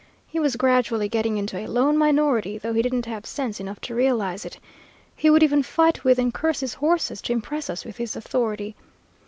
He was gradually getting into a lone minority, though he didn't have sense enough to realize it. He would even fight with and curse his horses to impress us with his authority.